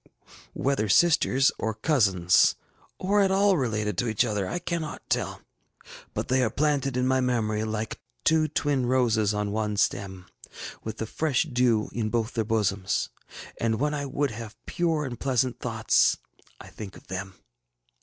Whether sisters, or cousins, or at all related to each other, I cannot tell; but they are planted in my memory like ŌĆśtwo twin roses on one stem, ŌĆÖ with the fresh dew in both their bosoms; and when I would have pure and pleasant thoughts, I think of them.